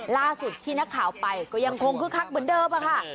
ล่าสุดที่นักข่าวไปก็ยังคงคึกคักเหมือนเดิมค่ะ